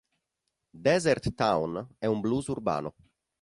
Desert town è un blues urbano.